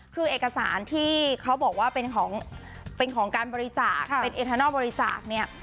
คือเอกสารที่เขาบอกว่าเป็นของเป็นของการบริจาคเป็นเอทานอลบริจาคเนี่ย